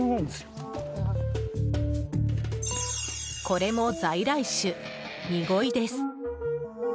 これも在来種、ニゴイです。